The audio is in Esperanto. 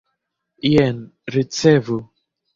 Jen, ricevu!